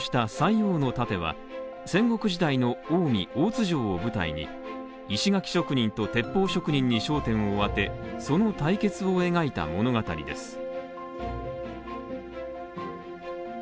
受賞した「塞王の楯」は戦国時代の近江・大津城を舞台に、石垣職人と鉄砲職人に焦点を当て、その対決を描いた物語です。